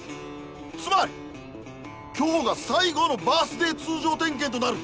つまり今日が最後のバースデー通常点検となる。